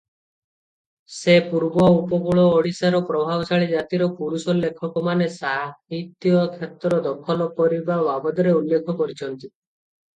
ସେ ପୂର୍ବ ଓ ଉପକୂଳ ଓଡ଼ିଶାର ପ୍ରଭାବଶାଳୀ ଜାତିର ପୁରୁଷ ଲେଖକମାନେ ସାହିତ୍ୟ କ୍ଷେତ୍ର ଦଖଲ କରିବା ବାବଦରେ ଉଲ୍ଲେଖ କରିଛନ୍ତି ।